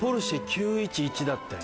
９１１だって。